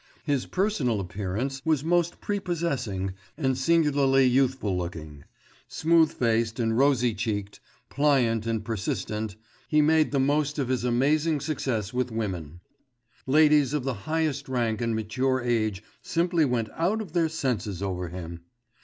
His personal appearance was most prepossessing and singularly youthful looking; smooth faced and rosy checked, pliant and persistent, he made the most of his amazing success with women; ladies of the highest rank and mature age simply went out of their senses over him.